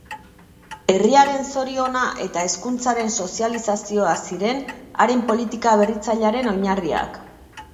Herriaren zoriona eta hezkuntzaren sozializazioa ziren haren politika berritzailearen oinarriak.